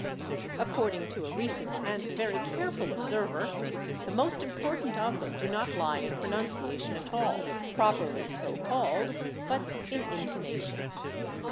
According to a recent and very careful observer, the most important of them do not lie in pronunciation at all, properly so called, but in intonation.